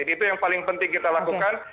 itu yang paling penting kita lakukan